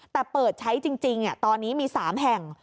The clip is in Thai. แต่เปิดใช้จริงตอนนี้มี๓แห่ง